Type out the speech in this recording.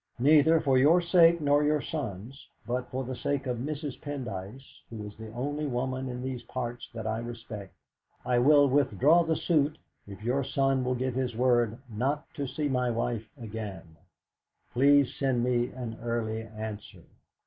Neither for your sake nor your son's, but for the sake of Mrs. Pendyce, who is the only woman in these parts that I respect, I will withdraw the suit if your son will give his word not to see my wife again. "Please send me an early answer.